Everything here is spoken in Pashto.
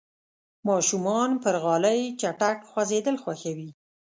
ماشومان پر غالۍ چټک خوځېدل خوښوي.